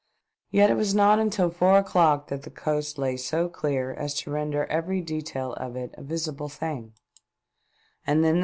Yet it was not until four o'clock that the coast lay so clear as to render every detail of it a visible thing, and then the 462 THE DEATH SHIP.